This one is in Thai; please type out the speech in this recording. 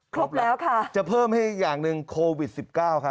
ครบแล้วค่ะจะเพิ่มให้อย่างหนึ่งโควิด๑๙ครับ